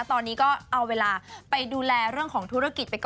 ตอนนี้ก็เอาเวลาไปดูแลเรื่องของธุรกิจไปก่อน